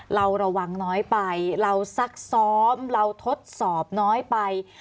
เราระวังน้อยไปเราซักซ้อมเราทดสอบน้อยไป